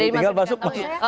tinggal masuk ke ppp